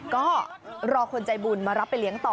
ก็รอคนใจบุญมารับไปเลี้ยงต่อ